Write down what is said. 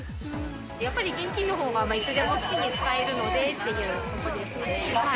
やっぱり現金のほうが、いつでも好きに使えるのでということですね。